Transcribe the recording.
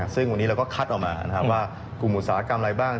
ซึ่งวันนี้เราก็คัดออกมาว่ากลุ่มอุตสาหกรรมอะไรบ้าง